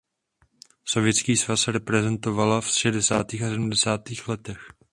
Sovětský svaz reprezentovala v šedesátých a sedmdesátých letech.